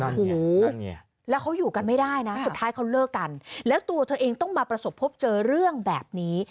โอ้โหแล้วเขาอยู่กันไม่ได้นะสุดท้ายเขาเลิกกันแล้วตัวเธอเองต้องมาประสบพบเจอเรื่องแบบนี้